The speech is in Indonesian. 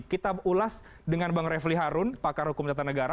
kita ulas dengan bang refli harun pakar hukum catatanegara